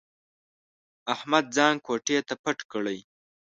احمد ځان کوټې ته پټ کړي.